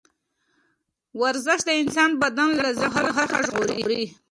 ورزش د انسان بدن له زنګ وهلو څخه ژغوري.